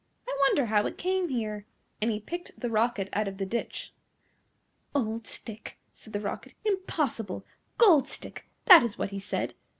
I wonder how it came here;" and he picked the Rocket out of the ditch. "OLD Stick!" said the Rocket, "impossible! GOLD Stick, that is what he said.